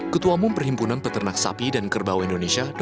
ketua mumper himpunan peternak sapi dan kerbau indonesia